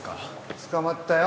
捕まったよ